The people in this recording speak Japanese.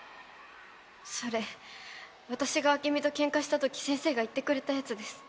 それ私が明美とケンカしたとき先生が言ってくれたやつです。